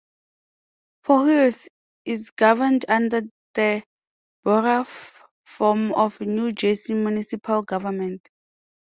Far Hills is governed under the Borough form of New Jersey municipal government.